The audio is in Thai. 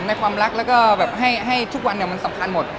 ในความรักแล้วก็แบบให้ทุกวันมันสำคัญหมด